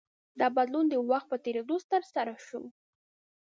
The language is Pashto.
دا بدلون د وخت په تېرېدو ترسره شو.